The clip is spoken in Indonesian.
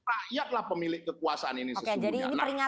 rakyatlah pemilik kekuasaan ini sesungguhnya